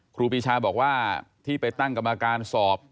ครูปีชาบอกว่าที่ไปตั้งกรรมการสอบ